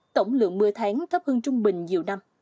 tổng lượng mưa tháng thấp hơn trung bình nhiều năm